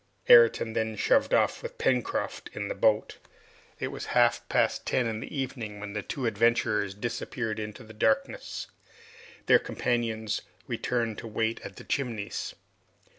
Ayrton then shoved off with Pencroft in the boat. It was half past ten in the evening when the two adventurers disappeared in the darkness. Their companions returned to wait at the Chimneys.